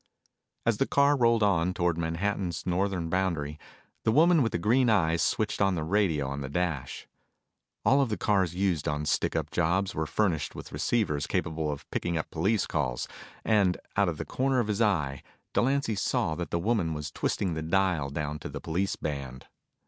As the car rolled on toward Manhattan's northern boundary, the woman with the green eyes switched on the radio on the dash. All of the cars used on stick up jobs were furnished with receivers capable of picking up police calls, and out of the corner of his eye, Delancy saw that the woman was twisting the dial down to the police band.